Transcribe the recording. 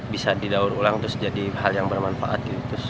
bisa didaur ulang terus jadi hal yang bermanfaat gitu